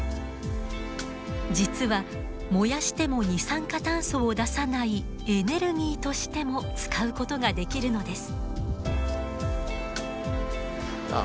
実は燃やしても二酸化炭素を出さないエネルギーとしても使うことができるのです。